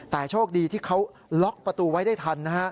แต่โชคดีที่เขาล็อกประตูไว้ได้ทันนะฮะ